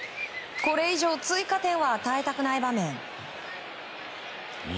これ以上追加点は与えなくない場面。